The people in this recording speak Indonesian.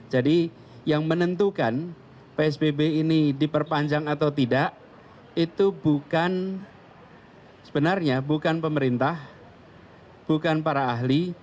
jadi yang menentukan psbb ini diperpanjang atau tidak itu bukan sebenarnya bukan pemerintah bukan para ahli